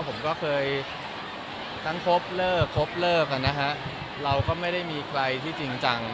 ผมก็เคยทั้งครบเลิกครบเลิกนะฮะเราก็ไม่ได้มีใครที่จริงจัง